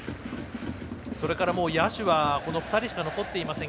それから野手はもう２人しか残っていません。